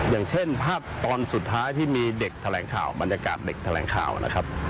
อย่างเช่นภาพตอนสุดท้ายที่มีเด็กแถลงข่าวบรรยากาศเด็กแถลงข่าวนะครับ